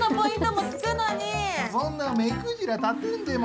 そんなん目くじら立てんでも。